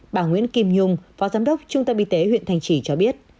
bà nguyễn kim nhung phó giám đốc trung tâm y tế huyện thanh trì cho biết